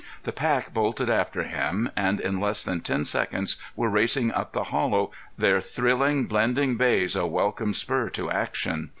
The pack bolted after him and in less than ten seconds were racing up the hollow, their thrilling, blending bays a welcome spur to action.